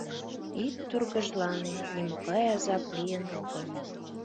— Ит тургыжлане, нимогай азап лийын огыл.